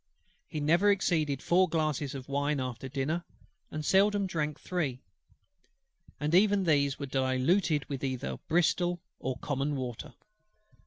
He never exceeded four glasses of wine after dinner, and seldom drank three; and even these were diluted with either Bristol or common water.